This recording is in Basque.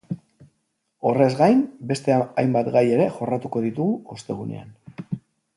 Horrez gain, beste hainbat gai ere jorratuko ditugu ostegunean.